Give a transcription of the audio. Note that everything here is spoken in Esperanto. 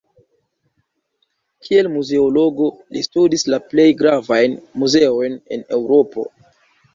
Kiel muzeologo li studis la plej gravajn muzeojn en Eŭropo.